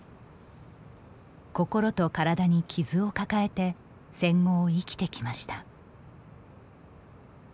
心と体に傷を抱えて戦後を生きてきました。